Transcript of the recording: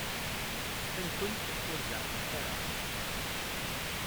Ttxil-kent, ur zeɛɛfemt ara.